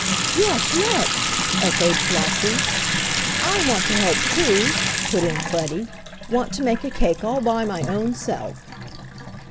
"Yes, let's!" echoed Flossie. "I want to help too," put in Freddie, "Want to make a cake all by my own self."